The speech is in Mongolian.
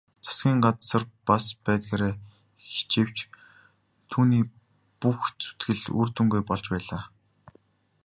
Засгийн газар бас байдгаараа хичээвч түүний бүх зүтгэл үр дүнгүй болж байлаа.